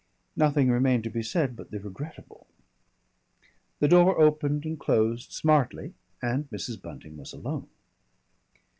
Nothing remained to be said but the regrettable. The door opened and closed smartly and Mrs. Bunting was alone.